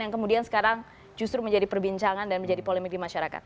yang kemudian sekarang justru menjadi perbincangan dan menjadi polemik di masyarakat